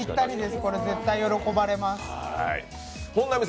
これ絶対喜ばれます。